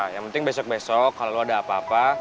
yang penting besok besok kalau lo ada apa apa